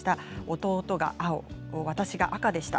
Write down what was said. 弟が青、私が赤でした。